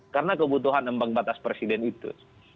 karena kebutuhan ambang batas presiden itu